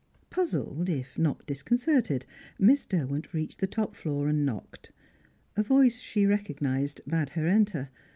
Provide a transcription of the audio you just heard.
Puzzled, if not disconcerted, Miss Derwent reached the top floor and knocked. A voice she recognised bade her enter.